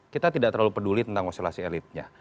kita tidak terlalu peduli tentang konstelasi elitnya